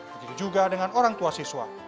begitu juga dengan orang tua siswa